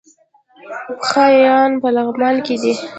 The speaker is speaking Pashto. پشه یان په لغمان کې دي؟